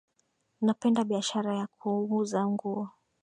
Napenda biashara ya kuuza nguo